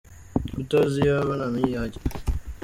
Utazi iyo ava, ntamenya iyo ajya.